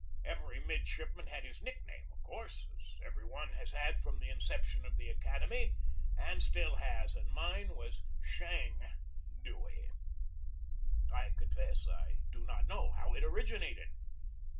Every mid shipman had his nickname, of course, as every one has had from the inception of the academy and still has, and mine was "Shang" Dewey. I confess that I do not know how it originated.